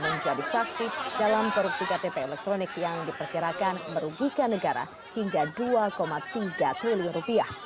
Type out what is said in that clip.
menjadi saksi dalam korupsi ktp elektronik yang diperkirakan merugikan negara hingga dua tiga triliun rupiah